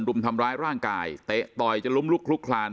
รุมทำร้ายร่างกายเตะต่อยจะล้มลุกลุกคลาน